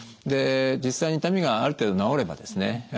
で実際に痛みがある程度治ればですね